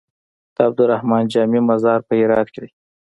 د عبدالرحمن جامي مزار په هرات کی دی